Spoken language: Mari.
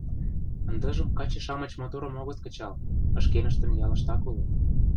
Ындыжым каче-шамыч моторым огыт кычал — шкеныштын ялыштак уло.